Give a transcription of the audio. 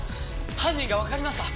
犯人がわかりました。